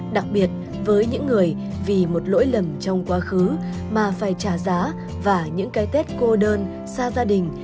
đặc biệt với những người vì một lỗi lầm trong quá khứ mà phải trả giá và những cái tết cô đơn xa gia đình